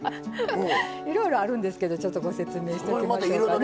いろいろあるんですけどちょっとご説明しときましょうかね。